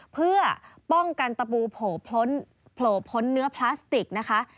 เพื่อป้องกันตะปูโผล่พ้นโผล่พ้นเนื้อพลาสติกนะคะ